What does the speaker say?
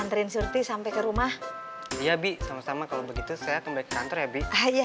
anterin surti sampai ke rumah ya bi sama sama kalau begitu saya kembali kantor ya biaya